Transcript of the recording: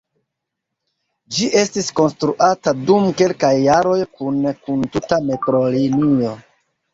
Ĝi estis konstruata dum kelkaj jaroj kune kun tuta metrolinio.